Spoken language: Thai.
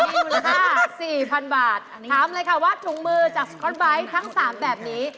มีมูลค่า๔๐๐๐บาทถามเลยค่ะว่าถุงมือจากสก๊อตไบท์ทั้ง๓แบบนี้